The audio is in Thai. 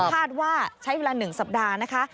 คาดว่าใช้เวลา๑สัปดาห์นะคะ